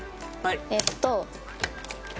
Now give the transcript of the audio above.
えっと。